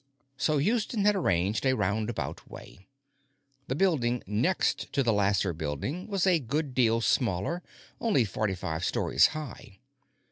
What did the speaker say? So Houston had arranged a roundabout way. The building next to the Lasser Building was a good deal smaller, only forty five stories high.